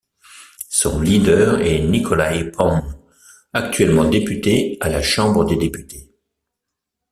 Son leader est Nicolae Păun, actuellement député à la Chambre des députés.